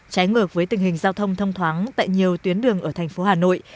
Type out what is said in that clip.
trái ngược với tình hình giao thông thông thoáng tại nhiều tuyến đường ở tp hà nội